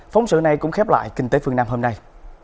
phóng sự này cũng khép lại kinh tế phương nam hôm nay